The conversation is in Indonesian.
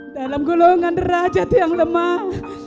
dalam golongan derajat yang lemah